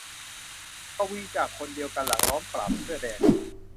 กวีจากคนเดียวกันหลังล้อมปราบเสื้อแดง